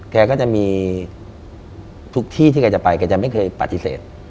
แกก็จะมีทุกที่ที่แกจะไปแกจะไม่เคยปฏิเสธ